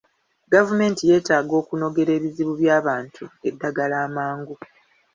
Gavumenti yeetaaga okunogera ebizibu by'abantu eddagala amangu.